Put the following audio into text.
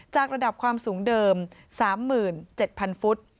จากระดับความสูงเดิม๓๗๐๐ฟุต